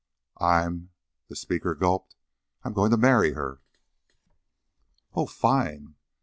"I'm " the speaker gulped. "I'm goin' to marry her." "Oh, fine!"